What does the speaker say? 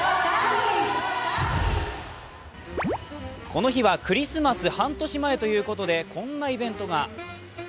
この日はクリスマス半年前ということでこんなイベントが。